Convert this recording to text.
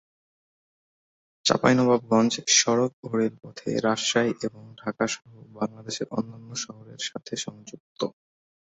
চাঁপাইনবাবগঞ্জ সড়ক ও রেলপথে রাজশাহী এবং ঢাকাসহ বাংলাদেশের অন্যান্য শহরের সাথে সংযুক্ত।